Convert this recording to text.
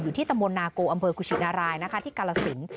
ที่ตำบลนาโกอำเภอกุชินารายนะคะที่กาลสิน